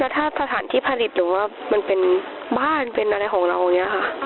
ถ้าสถานที่ผลิตหรือว่ามันเป็นบ้านเป็นอะไรของเราอย่างนี้ค่ะ